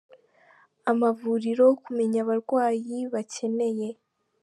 amavuriro, kumenya abarwayi bakeneye.